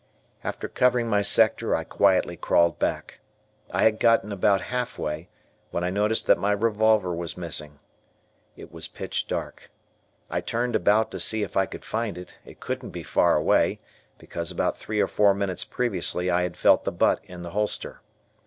After covering my sector I quietly crawled back. I had gotten about half way, when I noticed that my revolver was missing. It was pitch dark. I turned about to see if I could find it; it couldn't be far away, because about three or four minutes previously I had felt the butt in the holster.